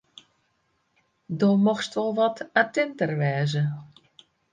Do mochtst wol wat attinter wêze.